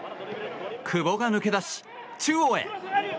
久保が抜け出し中央へ。